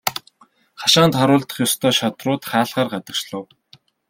Хашаанд харуулдах ёстой шадрууд хаалгаар гадагшлав.